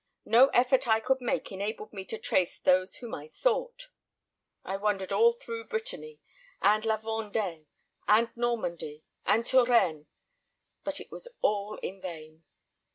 No effort I could make enabled me to trace those whom I sought. I wandered all through Brittany, and La Vendee, and Normandy, and Touraine; but it was all in vain.